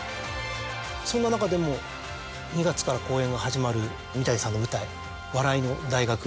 そんな中でも２月から公演が始まる三谷さんの舞台『笑の大学』。